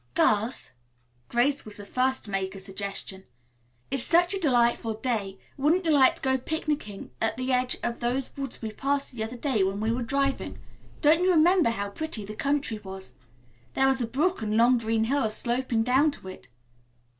"Girls," Grace was the first to make a suggestion, "it's such a delightful day, wouldn't you like to go picnicking at the edge of those woods we passed the other day when we were driving? Don't you remember how pretty the country was? There was a brook and long green hills sloping down to it."